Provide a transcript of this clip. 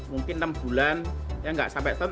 mungkin enam bulan ya nggak sampai tahun